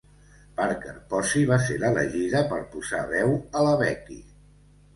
Parker Posey va ser l'elegida per posar veu a la Becky.